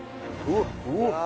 うわっ！